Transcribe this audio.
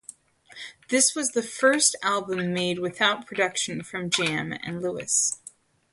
This was the first album made without production from Jam and Lewis.